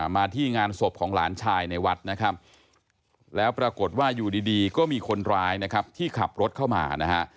มาที่งานศพของหลานชายในวัดนะครับแล้วปรากฏว่าอยู่ดีก็มีคนร้ายนะครับที่ขับรถเข้ามานะฮะ